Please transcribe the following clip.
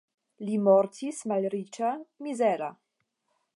Li mortis malriĉa, mizera.